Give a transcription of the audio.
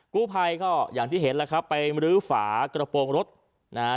กู้ภัยก็อย่างที่เห็นแล้วครับไปมรื้อฝากระโปรงรถนะฮะ